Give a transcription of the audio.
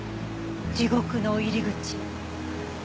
地獄の入り口。